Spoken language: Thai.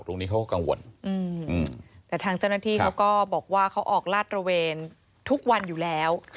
ตรงนี้เขาก็กังวลแต่ทางเจ้าหน้าที่เขาก็บอกว่าเขาออกลาดระเวนทุกวันอยู่แล้ว